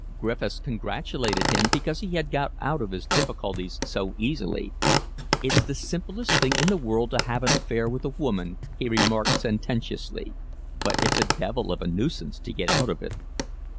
Griffiths congratulated him because he had got out of his difficulties so easily. "It's the simplest thing in the world to have an affair with a woman," he remarked sententiously, "but it's a devil of a nuisance to get out of it."